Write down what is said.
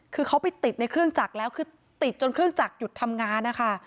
คือเขาไปติดในเครื่องจักรแล้วคือติดจนเครื่องจักรหยุดทำงานนะคะ